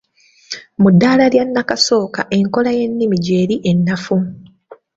mu ddala lya nnakasooka enkola y’ennimi gy’eri ennafu.